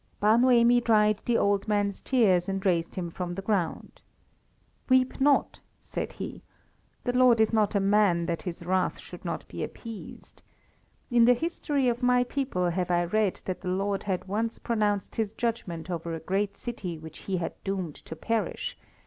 Bar Noemi dried the old man's tears and raised him from the ground. "Weep not!" said he, "the Lord is not a man that His wrath should not be appeased. In the history of my people have I read that the Lord had once pronounced His judgment over a great city which He had doomed to perish.